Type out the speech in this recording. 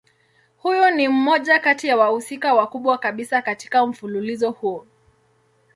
Huyu ni mmoja kati ya wahusika wakubwa kabisa katika mfululizo huu.